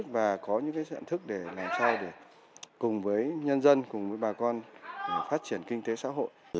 và có những nhận thức để làm sao để cùng với nhân dân cùng với bà con phát triển kinh tế xã hội